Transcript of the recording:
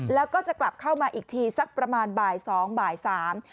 แล้วก็จะกลับเข้ามาอีกทีสักประมาณบ่ายสองบ่ายสาม